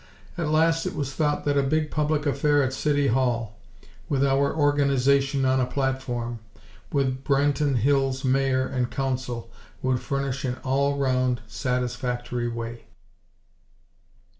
At last it was thought that a big public affair at City Hall, with our Organization on a platform, with Branton Hills' Mayor and Council, would furnish an all round, satisfactory way.